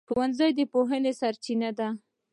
ښوونځی د پوهنې سرچینه ده.